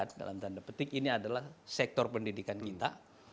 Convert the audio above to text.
yang kita pasarkan dalam tanda petik ini adalah sektor pendidikan kita